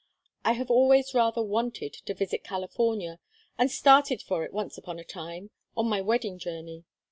I have always rather wanted to visit California, and started for it once upon a time on my wedding journey.